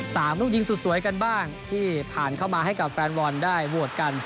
สามลูกยิงสุดสวยกันบ้างที่ผ่านเข้ามาให้กับแฟนวอนได้ววดกัน